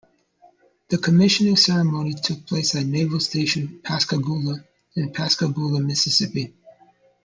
The commissioning ceremony took place at Naval Station Pascagoula in Pascagoula, Mississippi.